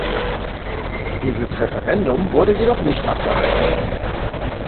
Dieses Referendum wurde jedoch nicht abgehalten.